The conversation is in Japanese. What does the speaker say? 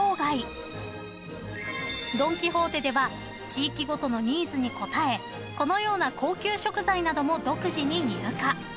［ドン・キホーテでは地域ごとのニーズに応えこのような高級食材なども独自に入荷］